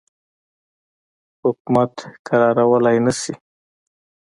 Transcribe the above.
حکومت کرارولای نه شي.